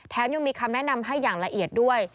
ยังมีคำแนะนำให้อย่างละเอียดด้วย